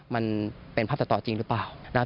มันเป็นภาพตัดต่อจริงหรือเปล่านะครับ